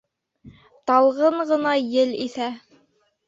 Талғын ғына ел иҫә.